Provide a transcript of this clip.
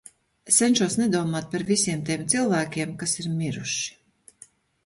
Es cenšos nedomāt par visiem tiem cilvēkiem, kas ir miruši.